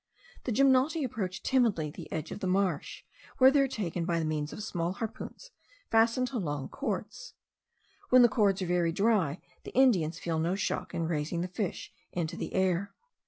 The gymnoti approach timidly the edge of the marsh, where they are taken by means of small harpoons fastened to long cords. When the cords are very dry the Indians feel no shock in raising the fish into the air.